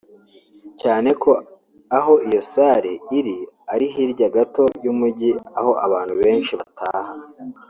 cyane ko aho iyo salle iri ari hirya gato y’umujyi aho abantu benshi bataha